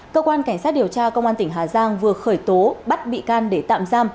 cơ quan cảnh sát điều tra công an tỉnh hà giang vừa khởi tố bắt bị can để tạm giam